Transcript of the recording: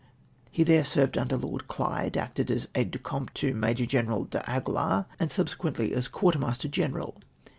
He there served under Lord Clyde, acted as aide de camp to Major General D'Aguilar, and subsequently as Quartermaster General.